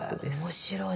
面白い。